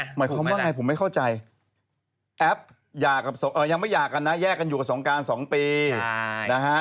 หมายความว่าไงผมไม่เข้าใจแอปยังไม่หย่ากันนะแยกกันอยู่กับสงการ๒ปีนะฮะ